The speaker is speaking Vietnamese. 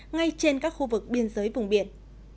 ngay trên các khu vực biên giới vùng biển